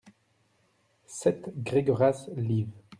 sept Gregoras, liv.